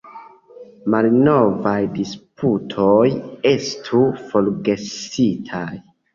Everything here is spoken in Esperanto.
Malnovaj disputoj estu forgesitaj.